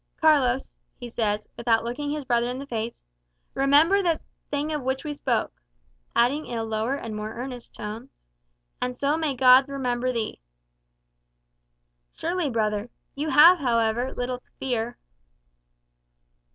"Carlos," he says, without looking his brother in the face, "remember that thing of which we spoke;" adding in lower and more earnest tones, "and so may God remember thee." "Surely, brother. You have, however, little to fear."